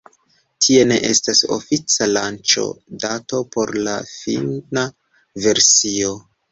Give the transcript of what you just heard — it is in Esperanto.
Tie ne estas ofica lanĉo-dato por la fina versio.